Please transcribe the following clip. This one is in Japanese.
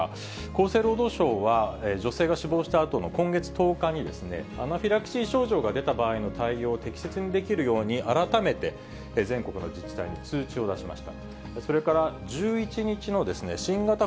厚生労働省は、女性が死亡したあとの今月１０日に、アナフィラキシー症状が出た場合を、適切にできるように改めて全国の自治体に通知を出しました。